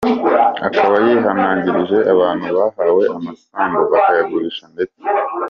Akaba yihanangirije abantu bahawe amasambu bakayagurisha ndese.